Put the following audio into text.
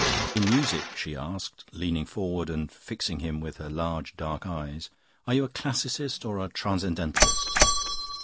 'In music,' she asked, leaning forward and fixing him with her large dark eyes, 'are you a classicist or a transcendentalist?